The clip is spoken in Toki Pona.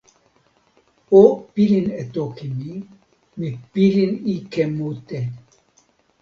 o pilin e toki mi: mi pilin ike mute.